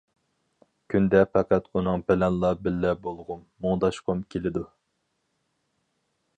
كۈندە پەقەت ئۇنىڭ بىلەنلا بىللە بولغۇم، مۇڭداشقۇم كېلىدۇ.